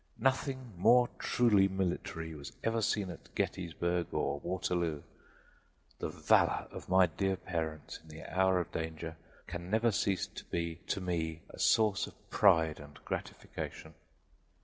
Nothing more truly military was ever seen at Gettysburg or Waterloo: the valor of my dear parents in the hour of danger can never cease to be to me a source of pride and gratification.